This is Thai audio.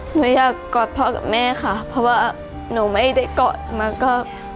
หนูอยากกอดพ่อกับแม่ค่ะเพราะว่าหนูไม่ได้กอดมาก็